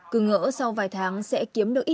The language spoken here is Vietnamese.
cứ ngỡ sau vài tháng sẽ kiếm được ít